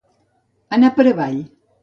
Anar per avall.